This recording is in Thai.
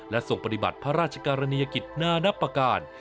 และส่งปฏิบัติพระราชกรณียกิจนานับประการ